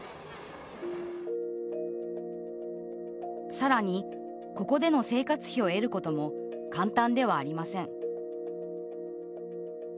さらにここでの生活費を得ることも簡単ではありません。